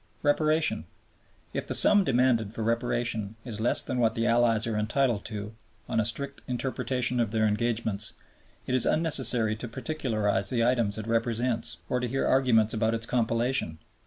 Reparation. If the sum demanded for Reparation is less than what the Allies are entitled to on a strict interpretation of their engagements, it is unnecessary to particularize the items it represents or to hear arguments about its compilation.